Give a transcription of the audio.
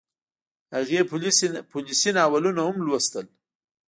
هغې پوليسي ناولونه هم لوستل